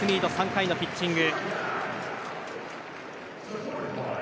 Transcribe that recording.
３回のピッチング。